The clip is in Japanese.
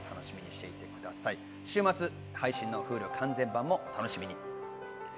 週末配信のＨｕｌｕ完全版も楽しみに。